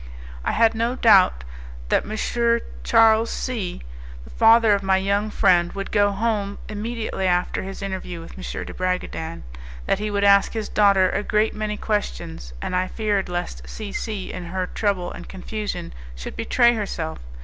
I had no doubt that M. Ch. C the father of my young friend, would go home immediately after his interview with M. de Bragadin, that he would ask his daughter a great many questions, and I feared lest C C , in her trouble and confusion, should betray herself.